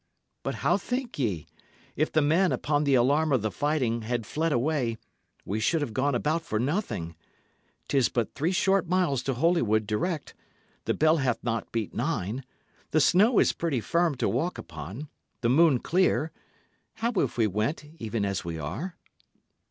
But how think ye? If the men, upon the alarm of the fighting, had fled away, we should have gone about for nothing. 'Tis but some three short miles to Holywood direct; the bell hath not beat nine; the snow is pretty firm to walk upon, the moon clear; how if we went even as we are?"